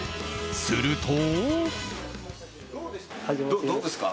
すると。